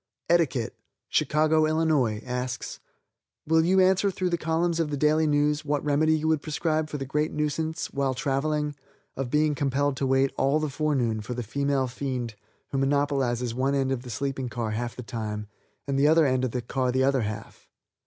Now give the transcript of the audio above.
Etiquette, Chicago, Ill., asks: "Will you answer through the columns of the Daily News what remedy you would prescribe for the great nuisance while traveling of being compelled to wait all the forenoon for the female fiend who monopolizes one end of the sleeping car half of the time and the other end of the car the other half.